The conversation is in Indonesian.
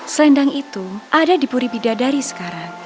selendang itu ada di puri bidadari sekarang